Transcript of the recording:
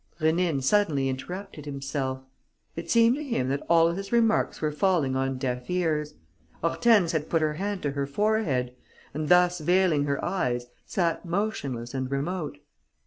Rénine suddenly interrupted himself. It seemed to him that all his remarks were falling on deaf ears. Hortense had put her hand to her forehead and, thus veiling her eyes, sat motionless and remote.